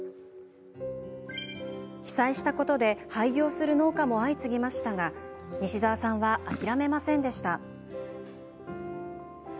被災したことで廃業する農家も相次ぎましたが西澤さんは諦めませんでした。